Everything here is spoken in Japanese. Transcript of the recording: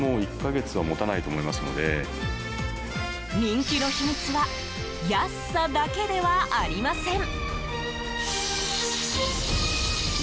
人気の秘密は安さだけではありません。